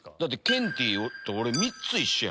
ケンティーと俺３つ一緒や。